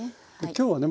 今日はね